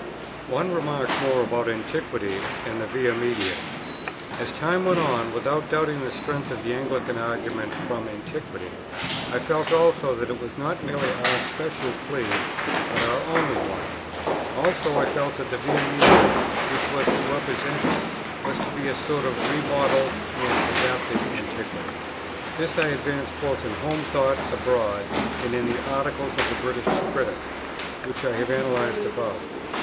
One remark more about Antiquity and the Via Media. As time went on, without doubting the strength of the Anglican argument from Antiquity, I felt also that it was not merely our special plea, but our only one. Also I felt that the Via Media, which was to represent it, was to be a sort of remodelled and adapted Antiquity. This I advanced both in Home Thoughts Abroad and in the Article of the British Critic which I have analyzed above.